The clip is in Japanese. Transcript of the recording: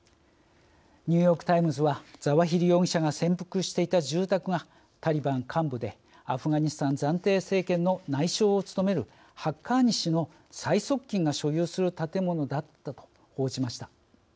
ニューヨーク・タイムズは「ザワヒリ容疑者が潜伏していた住宅はタリバン幹部でアフガニスタン暫定政権の内相を務めるハッカーニ氏の最側近が所有する建物だった」と報じました。